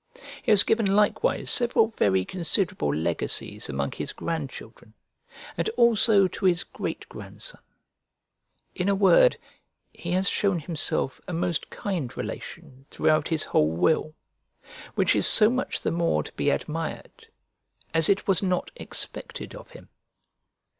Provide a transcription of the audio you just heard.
He has given likewise several very considerable legacies among his grandchildren, and also to his great grandson. In a word, he has shown himself a most kind relation throughout his whole will; which is so much the more to be admired as it was not expected of him.